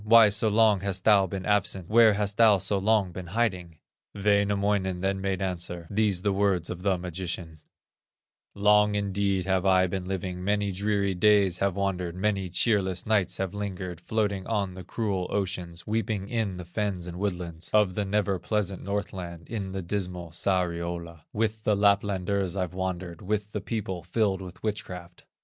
Why so long hast thou been absent, Where hast thou so long been hiding?" Wainamoinen then made answer, These the words of the magician: "Long indeed have I been living, Many dreary days have wandered, Many cheerless nights have lingered, Floating on the cruel ocean, Weeping in the fens and woodlands Of the never pleasant Northland, In the dismal Sariola; With the Laplanders I've wandered, With the people filled with witchcraft."